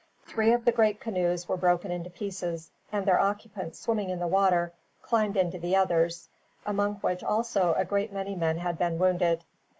Three of the great canoes were broken to pieces, and their occupants swimming in the water climbed into the others, among which also a great many men had been wounded.